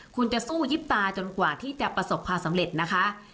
คุณจะสู้ยิบตาจนกว่าที่จะประสบความสำเร็จนะคะ